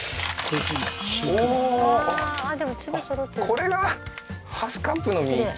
これがハスカップの実？